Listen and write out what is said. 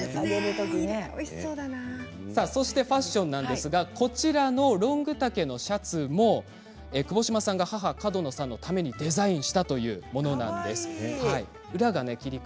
そしてファッションなんですがこちらのロング丈のシャツもくぼしまさんが母・角野さんのためにデザインしたものです。